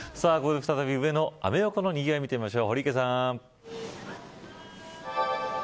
再び上野、アメ横のにぎわい見てみましょう。